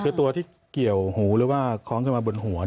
คือตัวที่เกี่ยวหูหรือว่าคล้องขึ้นมาบนหัว